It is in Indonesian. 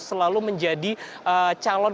selalu menjadi calon